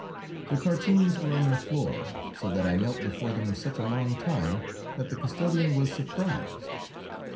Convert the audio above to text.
The cartoons were on the floor, so that I knelt before them such a long time that the custodian was surprised.